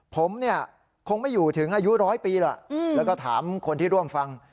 ผมเนี่ยคงไม่อยู่ถึงอายุร้อยปีแล้วแล้วก็ถามคนที่ร่วมฟัง